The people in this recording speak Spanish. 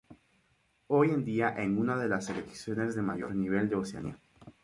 Hoy en día en una de las selecciones de mayor nivel de Oceanía.